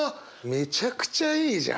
めちゃくちゃいいじゃん！